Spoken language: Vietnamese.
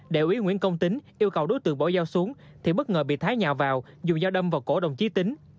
đại úy nguyễn công tính yêu cầu đối tượng bỏ dao xuống thì bất ngờ bị thái nhào vào dùng dao đâm vào cổ đồng chí tính